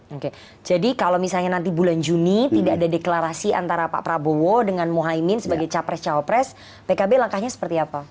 oke jadi kalau misalnya nanti bulan juni tidak ada deklarasi antara pak prabowo dengan muhaymin sebagai capres cawapres pkb langkahnya seperti apa